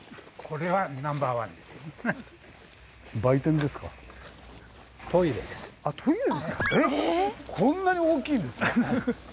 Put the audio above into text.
こんなに大きいんですか。